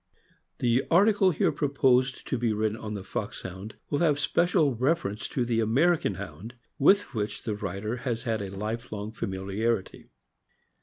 >HE article here proposed to be written on the Fox hound will have special reference to the American Hound, with which the writer has had a life long familiarity.